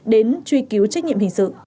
đến truy cứu trách nhiệm hình sự